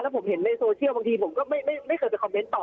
ผมเห็นในโซเชียลบางทีผมก็ไม่เคยไปคอมเมนต์ต่อ